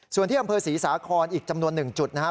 ส่วนที่อำเภอศรีสาครอีกจำนวน๑จุดนะครับ